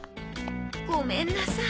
ごめんなさい。